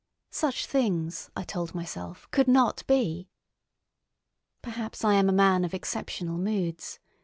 Such things, I told myself, could not be. Perhaps I am a man of exceptional moods.